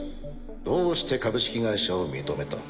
どうして株式会社を認めた？